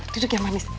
duduk yang manis